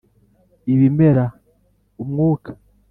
ibimera, umwuka,…